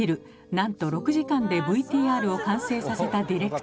なんと６時間でＶＴＲを完成させたディレクター。